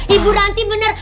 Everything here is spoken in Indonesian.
ibu ranti bener